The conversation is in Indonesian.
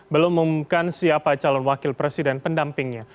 belum mengumumkan siapa calon wakil presiden pendampingnya